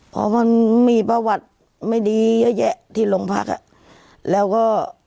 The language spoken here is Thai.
เพราะมันมีประวัติไม่ดีเยอะแยะที่โรงพักอ่ะแล้วก็